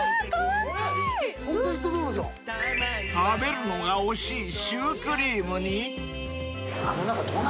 ［食べるのが惜しいシュークリームに］